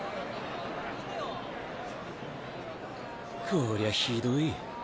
こりゃひどい。